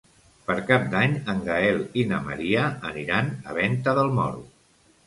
Per Cap d'Any en Gaël i na Maria aniran a Venta del Moro.